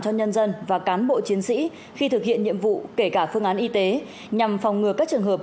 cho nhân dân và cán bộ chiến sĩ khi thực hiện nhiệm vụ kể cả phương án y tế nhằm phòng ngừa các trường hợp